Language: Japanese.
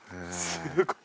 すごい。